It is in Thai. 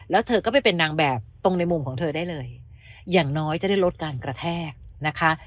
แล้วเธอก็ไปเป็นนางแบบตรงในมุมของเธอได้เลยอย่างน้อยจะได้ลดการกระแทกนะคะ